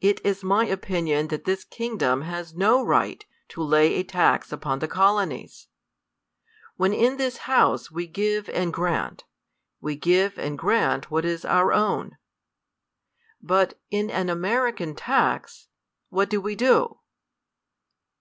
It is my opinion that this kingdom has no right to lay a tax upon the Colonies. When in this House we give and grant, we give and grant what is our own. But in an American" tax, what do we do